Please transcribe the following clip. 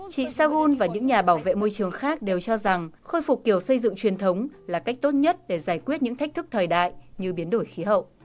chị sagun và những nhà bảo vệ môi trường khác đều cho rằng khôi phục kiểu xây dựng truyền thống là cách tốt nhất để giải quyết những thách thức thời đại như biến đổi khí hậu